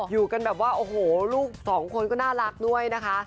อยู่กันแบบว่าโอ้โหลูกสองคนก็น่ารักด้วยนะคะ